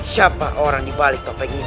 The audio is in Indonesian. siapa orang di balik topeng itu